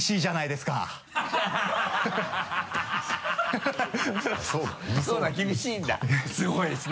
すごいですね。